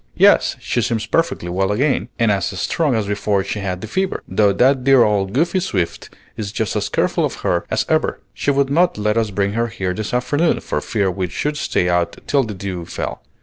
"Yes, she seems perfectly well again, and as strong as before she had the fever, though that dear old Goody Swift is just as careful of her as ever. She would not let us bring her here this afternoon, for fear we should stay out till the dew fell.